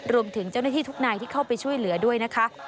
รวมถึงเจ้าหน้าที่ทุกนายที่เข้าไปช่วยเหลือด้วยนะคะ